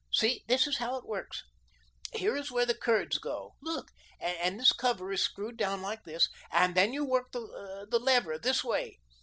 See, this is how it works. Here is where the curds go; look. And this cover is screwed down like this, and then you work the lever this way."